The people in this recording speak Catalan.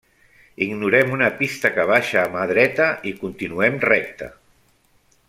Ignorem una pista que baixa a mà dreta i continuem recte.